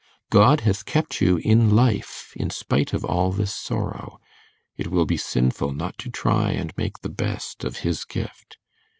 God has kept you in life in spite of all this sorrow; it will be sinful not to try and make the best of His gift.